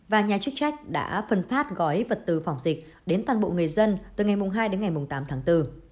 và nhà chức trách đã phân phát gói vật tư phòng dịch đến toàn bộ người dân từ ngày hai đến ngày tám tháng bốn